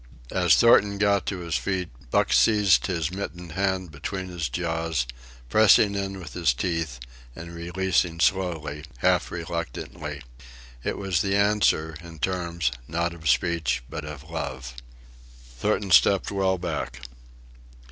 As Thornton got to his feet, Buck seized his mittened hand between his jaws, pressing in with his teeth and releasing slowly, half reluctantly. It was the answer, in terms, not of speech, but of love. Thornton stepped well back.